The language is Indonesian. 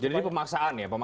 jadi pemaksaan ya